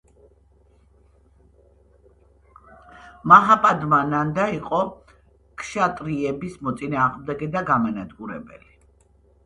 მაჰაპადმა ნანდა იყო ქშატრიების მოწინააღმდეგე და გამანადგურებელი.